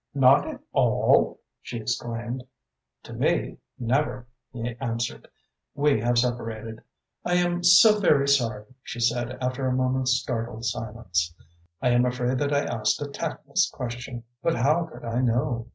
"Not at all?" she exclaimed. "To me, never," he answered. "We have separated." "I am so very sorry," she said, after a moment's startled silence. "I am afraid that I asked a tactless question, but how could I know?"